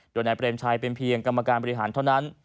โดยนายเปรมชัยเป็นเพียงกรรมการบริหารเท่านั้น